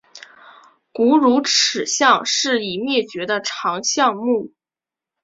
古乳齿象是已灭绝的长鼻目。